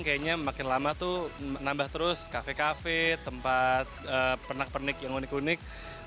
kayaknya makin lama tuh menambah terus kafe kafe tempat penak penik yang unik unik